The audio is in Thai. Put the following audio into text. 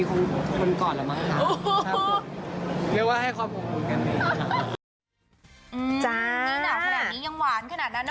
คือตอนนี้เค้าเปิดประตูอยู่ข้างหน้า